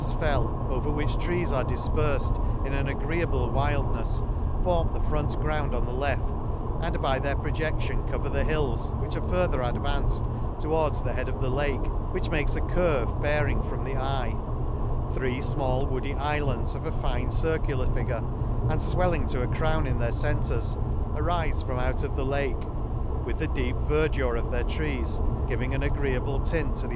179 hefs Fell, over which trees are difperfed in an agreeable wildnefs, form the front ground on the left, and by their projec tion cover the hills, which are further ad vanced towards the head of the Lake, which makes a curve bearing from the eye; — three fmall woody iflands, of a fine circular figure, and fwelling to a crown in their centres, arife from out the Lake; with the deep verdure of their trees, giving an agreeable teint to the.